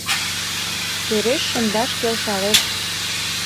Тӧреш шындаш келшалеш.